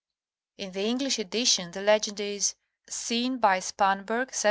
In the English edition the legend is ''Seen by Spanberg 1728."